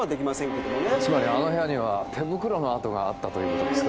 つまりあの部屋には手袋の跡があったという事ですか。